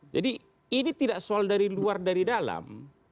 jadi ini tidak soal dari luar dari dalam